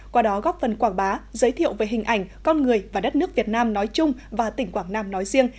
qua đó góp phần quảng bá giới thiệu về hình ảnh con người và đất nước việt nam nói chung và tỉnh quảng nam nói riêng